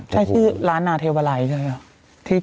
ใช่คือร้านหนาเทวไลท์ใช่ไหม